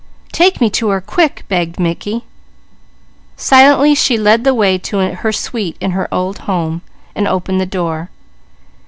"Take me to her quick!" begged Mickey. Silently she led the way to her suite in her old home, and opened the door.